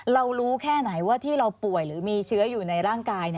เรารู้แค่ไหนว่าที่เราป่วยหรือมีเชื้ออยู่ในร่างกาย